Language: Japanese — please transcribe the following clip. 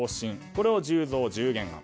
これが１０増１０減案。